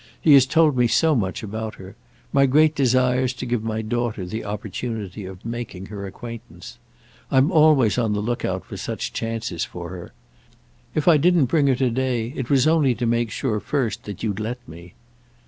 He has told me so much about her. My great desire's to give my daughter the opportunity of making her acquaintance. I'm always on the lookout for such chances for her. If I didn't bring her to day it was only to make sure first that you'd let me."